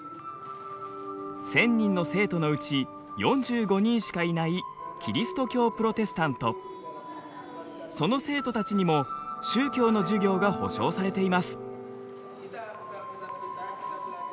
１，０００人の生徒のうち４５人しかいないその生徒たちにも宗教の授業が保障されています。